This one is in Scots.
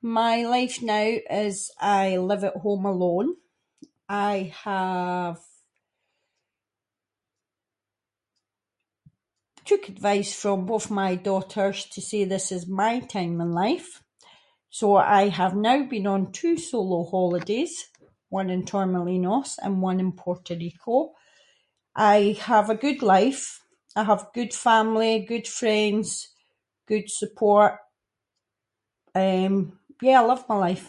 My life now is I live at home alone, I have took advice from both my daughters to say this is my time in life, so I have now been on two solo holidays, one in Torremolinos and one in Puerto Rico. I have a good life, I have good family, good friends, good support, eh, yeah I love my life.